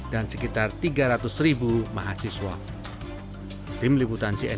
dan sekitar tiga ratus ribu mahasiswa